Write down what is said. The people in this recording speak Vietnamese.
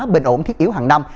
bình ổn thiết yếu hàng năm